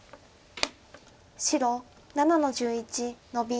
白７の十一ノビ。